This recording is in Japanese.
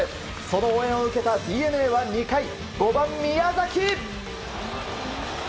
その応援を受けたＤｅＮＡは２回５番、宮崎。